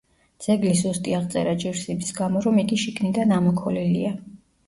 ძეგლის ზუსტი აღწერა ჭირს იმის გამო, რომ იგი შიგნიდან ამოქოლილია.